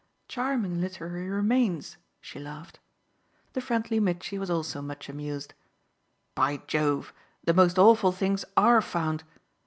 Charming literary remains!" she laughed. The friendly Mitchy was also much amused. "By Jove, the most awful things ARE found!